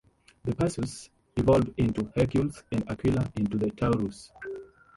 The Perseus evolved into the Hercules, and the Aquila into the Taurus.